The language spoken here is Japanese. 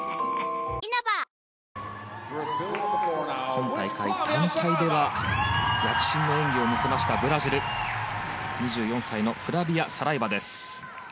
今大会、団体では躍進の演技を見せたブラジル２４歳のフラビア・サライバです。